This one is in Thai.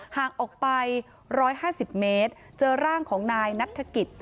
ห่างออกไปร้อยห้าสิบเมตรเจอร่างของนายนัทธกิจ